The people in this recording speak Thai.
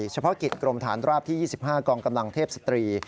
เฉพาะกิจกรมฐานราบที่๒๕กองกำลังเทพสตรี